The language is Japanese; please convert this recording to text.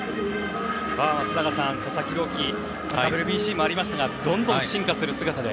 松坂さん、佐々木朗希ＷＢＣもありましたがどんどん進化する姿で。